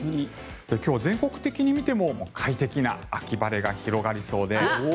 今日、全国的に見ても快適な秋晴れが広がりそうです。